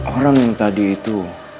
orang yang tadi itu